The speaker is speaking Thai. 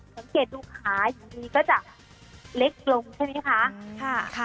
สังเกตดูขาอยู่ดีก็จะเล็กลงใช่ไหมคะ